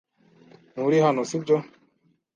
Nturi hano, si byo?